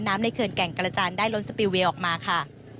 ในเขื่อนแก่งกระจานได้ล้นสปิลเวลออกมาค่ะ